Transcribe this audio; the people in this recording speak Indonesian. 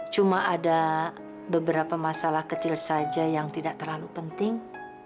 cuma ada beberapa masalah kecil saja yang tidak terlalu penting